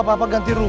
apa apa ganti rugi